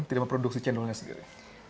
tidak memproduksi cendolnya sendiri